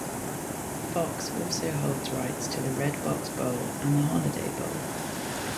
Fox also holds rights to the Redbox Bowl and Holiday Bowl.